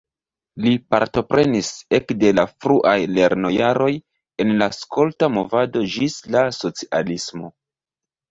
Li partoprenis ekde la fruaj lernojaroj en la skolta movado ĝis la socialismo.